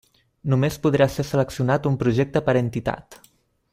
Només podrà ser seleccionat un projecte per entitat.